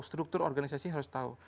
struktur organisasi harus tahu